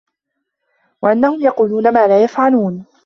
وَأَنَّهُم يَقولونَ ما لا يَفعَلونَ